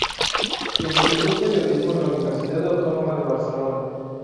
Estudió periodismo en la Universidad Autónoma de Barcelona.